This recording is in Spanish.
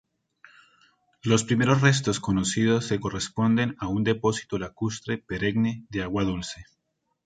Los primeros restos conocidos se corresponden a un depósito lacustre perenne de agua dulce.